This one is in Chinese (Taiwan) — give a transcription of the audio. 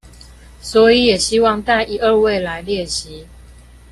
所以也希望帶一二位來列席